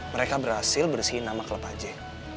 mereka berhasil bersihin nama klopaje